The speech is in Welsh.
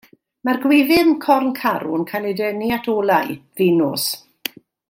Mae'r gwyfyn corn carw'n cael ei denu at olau, fin nos.